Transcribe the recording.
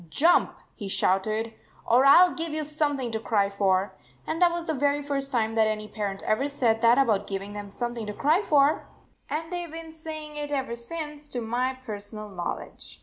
"Jump," he shouted, "or I ll give you something to cry for." And that was the very first time that any parent ever said that about giving them something to cry for, and they Ve been saying it ever since, to my personal knowledge.